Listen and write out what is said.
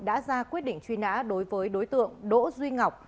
đã ra quyết định truy nã đối với đối tượng đỗ duy ngọc